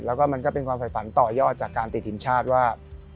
แล้วก็มันก็เป็นความฝ่ายฝันต่อยอดจากการติดทีมชาติว่า